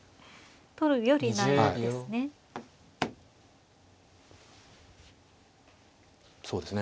取るよりないですね。